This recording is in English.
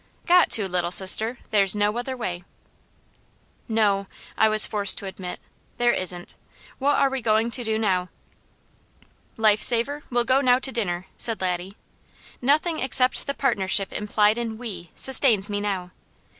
Got to, Little Sister! There's no other way." "No," I was forced to admit, "there isn't. What are we going to do now?" "Life saver, we'll now go to dinner," said Laddie. "Nothing except the partnership implied in 'we' sustains me now.